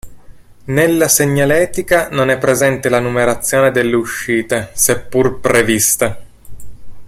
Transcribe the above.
Nella segnaletica non è presente la numerazione delle uscite, seppur prevista.